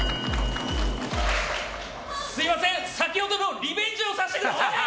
すみません、先ほどのリベンジをさせてください！